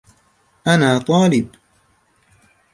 أنا طالب.